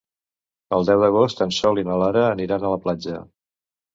El deu d'agost en Sol i na Lara aniran a la platja.